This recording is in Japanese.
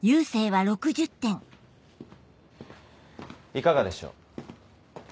いかがでしょう？